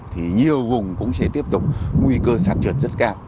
thì nhiều vùng cũng sẽ tiếp tục nguy cơ sạt trượt rất cao